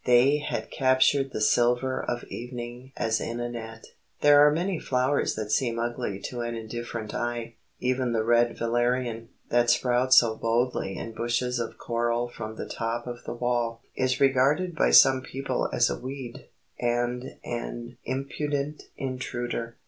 They had captured the silver of evening as in a net. There are many flowers that seem ugly to an indifferent eye. Even the red valerian, that sprouts so boldly in bushes of coral from the top of the wall, is regarded by some people as a weed and an impudent intruder.